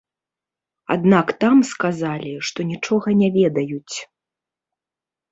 Аднак там сказалі, што нічога не ведаюць.